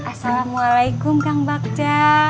assalamualaikum kang bakja